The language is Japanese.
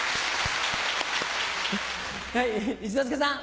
一之輔さん。